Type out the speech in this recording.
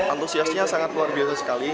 antusiasnya sangat luar biasa sekali